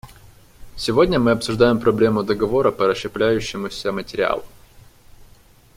Сегодня мы обсуждаем проблему договора по расщепляющемуся материалу.